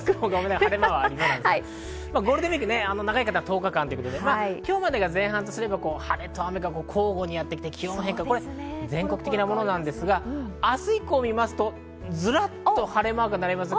ゴールデンウイーク、長い方は１０日間ということで、今日までが前半で晴れと雨が交互にやってきて、これは全国的なものなんですが、明日以降を見ますと、ずらっと晴れマークが並びます。